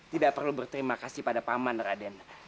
tidak perlu berterima kasih pada paman raden